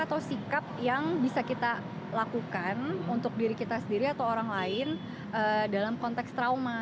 atau sikap yang bisa kita lakukan untuk diri kita sendiri atau orang lain dalam konteks trauma